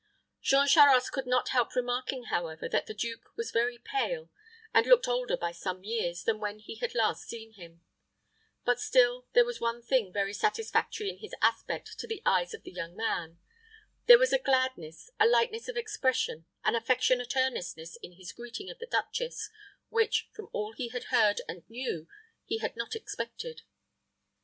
Jean Charost could not help remarking, however, that the duke was very pale, and looked older by some years than when he had last seen him. But still, there was one thing very satisfactory in his aspect to the eyes of the young man. There was a gladness, a lightness of expression, an affectionate earnestness in his greeting of the duchess which, from all he had heard and knew, he had not expected.